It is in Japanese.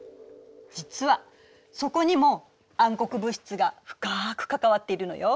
実はそこにも暗黒物質が深く関わっているのよ。